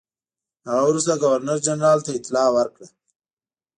هغه وروسته ګورنرجنرال ته اطلاع ورکړه.